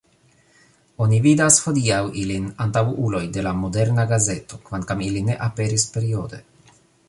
Oni vidas hodiaŭ ilin antaŭuloj de la moderna gazeto, kvankam ili ne aperis periode.